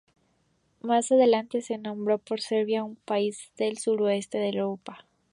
Más adelante se nombró por Serbia, un país del sureste de Europa.